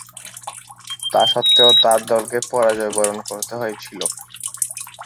তাসত্ত্বেও, তার দলকে পরাজয়বরণ করতে হয়েছিল।